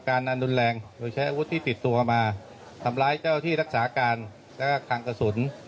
อันนั้นรุนแรงโดยใช้อาวุธที่ติดตัวมาทำร้ายเจ้าที่รักษาการแล้วก็คังกระสุน